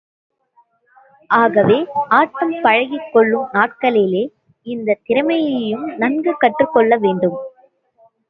ஆகவே, ஆட்டம் பழகிக்கொள்ளும் நாட்களிலேயே இந்தத் திறமையையும் நன்கு கற்றுக்கொள்ள வேண்டும்.